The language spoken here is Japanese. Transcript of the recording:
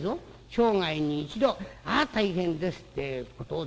生涯に一度ああ大変ですってえことを使うんだ。